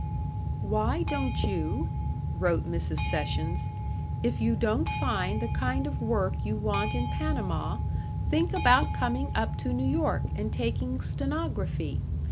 "Why don't you," wrote Mrs. Sessions, "if you don't find the kind of work you want in Panama, think about coming up to New York and taking stenography?